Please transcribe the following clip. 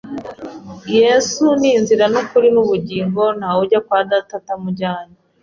Yesu ni inzira n’ukuri n’ubugingo, nta we ujya kwa Data atamujyanye.